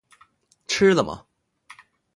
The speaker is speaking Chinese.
吃了吗